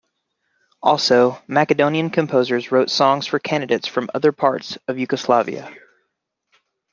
Also, Macedonian composers wrote songs for candidates from other parts of Yugoslavia.